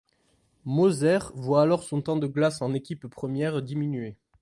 Mozer voit alors son temps de glace en équipe première diminuer.